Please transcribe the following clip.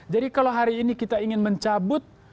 jadi kalau hari ini kita ingin mencabut